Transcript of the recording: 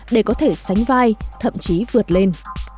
để có thể sánh vai thậm chí vượt lên